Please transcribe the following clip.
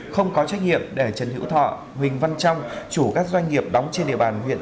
không có trách nhiệm để trần hữu thọ huỳnh văn trong chủ các doanh nghiệp đóng trên địa bàn huyện